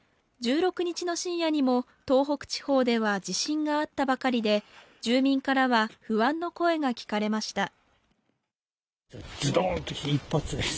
１６日の深夜にも東北地方では地震があったばかりで住民からは、不安の声が聞かれました。